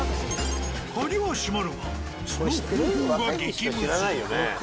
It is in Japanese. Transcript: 鍵は閉まるがその方法が激ムズ。